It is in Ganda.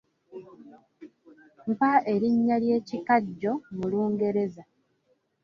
Mpa erinnya ly'ekikajjo mu Lungereza?